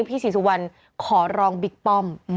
พี่เศสูอัลขอร้องบิ๊กปอ้อม